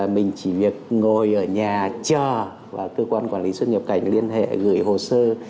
mình chỉ việc ngồi ở nhà chờ và cơ quan quản lý xuất nhập cảnh liên hệ gửi hồ sơ